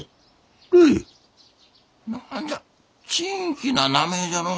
何じゃ珍奇な名前じゃのう。